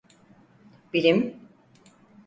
Bilim…